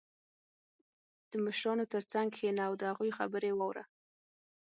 • د مشرانو تر څنګ کښېنه او د هغوی خبرې واوره.